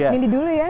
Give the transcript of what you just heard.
nindi dulu ya